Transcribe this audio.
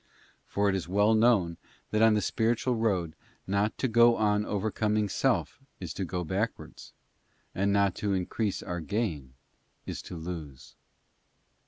For it is well known that on the spiritual road not to 'go on overcoming self is to go backwards, and not to increase our gain is to lose.